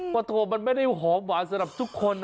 โถมันไม่ได้หอมหวานสำหรับทุกคนนะ